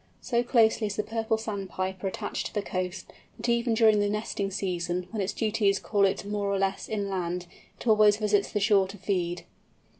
So closely is the Purple Sandpiper attached to the coast, that even during the nesting season, when its duties call it more or less inland, it always visits the shore to feed.